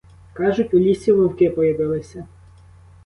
Кажуть, у лісі вовки появилися.